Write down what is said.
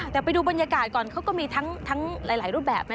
แต่ไปดูบรรยากาศก่อนเขาก็มีทั้งหลายรูปแบบนะ